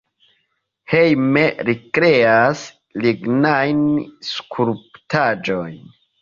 Hejme li kreas lignajn skulptaĵojn.